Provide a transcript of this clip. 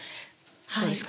どうですか？